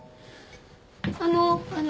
あのあの。